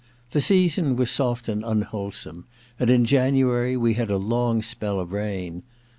The season was soft and unwholesome, and in January we had a long spell of rain.